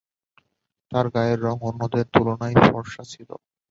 তার গায়ের রং অন্যদের তুলনায় ফর্সা ছিল।